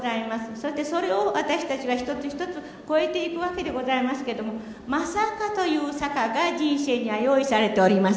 そしてそれを私たちは一つ一つ越えていくわけでございますけれども、まさかという坂が人生には用意されております。